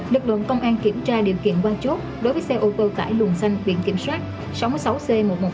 lực lượng công an kiểm tra điều kiện qua chốt đối với xe ô tô tải luồng xanh viện kiểm soát sáu mươi sáu c một mươi một nghìn sáu trăm một mươi hai